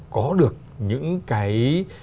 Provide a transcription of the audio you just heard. có được những cái